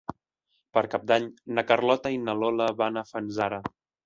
Per Cap d'Any na Carlota i na Lola van a Fanzara.